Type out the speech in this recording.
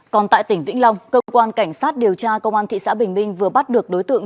còn tại tỉnh vĩnh long cơ quan cảnh sát điều tra công an thị xã bình minh vừa bắt được đối tượng